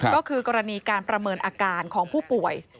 ก็คือกรณีการประเมินอาการของผู้ป่วย